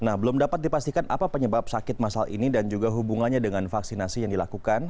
nah belum dapat dipastikan apa penyebab sakit masal ini dan juga hubungannya dengan vaksinasi yang dilakukan